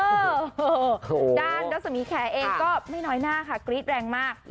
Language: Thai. ด้านรัศมีแคร์เองก็ไม่น้อยหน้าค่ะกรี๊ดแรงมาก